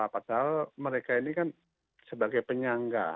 padahal mereka ini kan sebagai penyangga